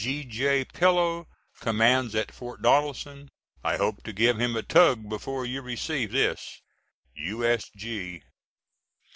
G.J. Pillow commands at Fort Donelson. I hope to give him a tug before you receive this. U.S.G.